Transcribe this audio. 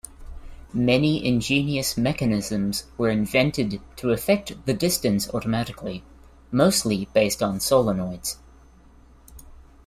Many ingenious mechanisms were invented to effect the distance automatically, mostly based on solenoids.